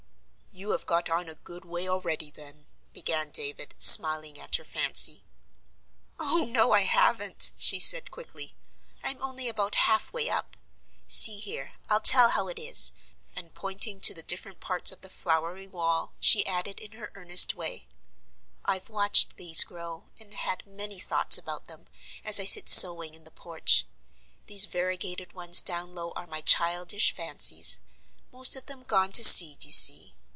"You have got on a good way already then," began David, smiling at her fancy. "Oh no, I haven't!" she said quickly. "I'm only about half way up. See here: I'll tell how it is;" and, pointing to the different parts of the flowery wall, she added in her earnest way: "I've watched these grow, and had many thoughts about them, as I sit sewing in the porch. These variegated ones down low are my childish fancies; most of them gone to seed you see.